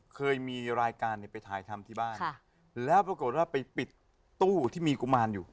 เคยมีรายการเนี่ยไปถ่ายทำที่บ้านแล้วปรากฏว่าไปปิดตู้ที่มีกุมารอยู่